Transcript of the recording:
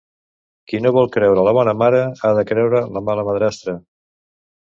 Qui no vol creure la bona mare, ha de creure la mala madrastra.